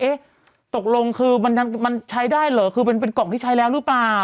ตกลงคือมันใช้ได้เหรอคือเป็นกล่องที่ใช้แล้วหรือเปล่า